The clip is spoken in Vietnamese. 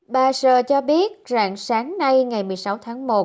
bà sờ cho biết rằng sáng nay ngày một mươi sáu tháng một